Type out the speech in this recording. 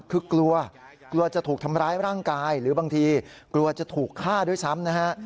คือกลัวกลัวจะถูกทำร้ายร่างกายหรือบางทีกลัวจะถูกฆ่าด้วยซ้ำนะฮะ